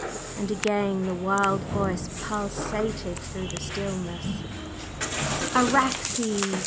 And again the wild Voice pulsated through the stillness. "Araxes!